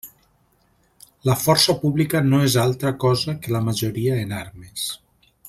La força pública no és altra cosa que la majoria en armes.